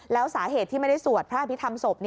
แล้วสาเหตุที่ไม่ได้สวดพระอภิษฐรรมศพ